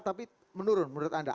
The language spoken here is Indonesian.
tapi menurun menurut anda